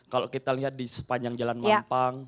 kalau kita lihat di sepanjang jalan mampang